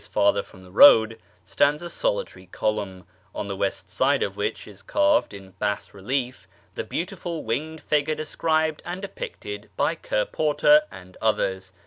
farther from the road, stands a solitary column, on the west side of which is carved in bas relief the beautiful winged figure described and depicted by Ker Porter and others.